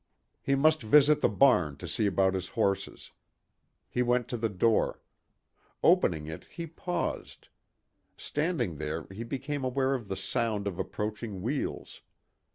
He must visit the barn to see about his horses. He went to the door. Opening it, he paused. Standing there he became aware of the sound of approaching wheels.